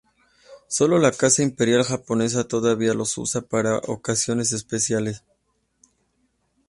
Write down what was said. Solo la Casa Imperial Japonesa todavía los usa para ocasiones especiales.